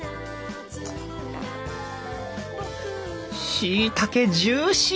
しいたけジューシー！